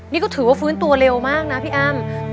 นี่ก็ถือว่าฟื้นตัวเร็วมากนะพี่อ้ำ